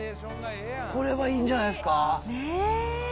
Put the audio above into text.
これはいいんじゃないですか。